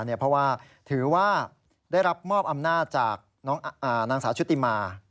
เพราะว่าถือว่าได้รับมอบอำนาจจากนางสาวชุติมา